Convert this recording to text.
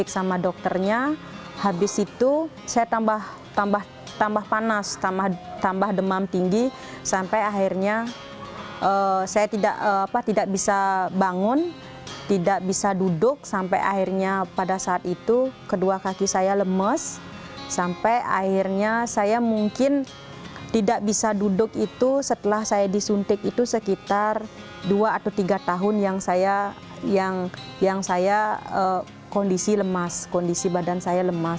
saya tidak bisa bangun tidak bisa duduk sampai akhirnya pada saat itu kedua kaki saya lemas sampai akhirnya saya mungkin tidak bisa duduk itu setelah saya disuntik itu sekitar dua atau tiga tahun yang saya kondisi lemas kondisi badan saya lemas